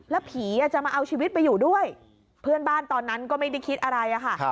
แล้วผีจะมาเอาชีวิตไปอยู่ด้วยเพื่อนบ้านตอนนั้นก็ไม่ได้คิดอะไรอะค่ะ